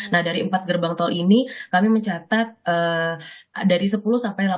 nah dari empat gerbang tol ini kami mencatat dari sepuluh